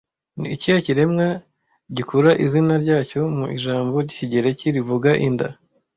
Ni ikihe kiremwa gikura izina ryacyo mu ijambo ry'Ikigereki rivuga inda